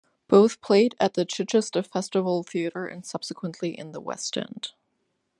Both played at the Chichester Festival Theatre and subsequently in the West End.